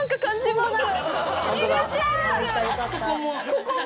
ここも！